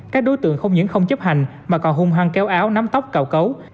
các đối tượng không những không chấp hành mà còn hung hăng kéo áo nắm tóc cào cấu